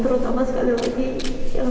terutama dari orang orang di sana